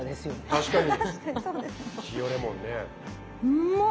確かに。